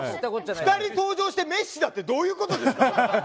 二人登場してメッシだってどういうことですか。